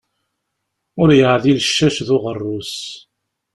Ur yeɛdil ccac d uɣerrus.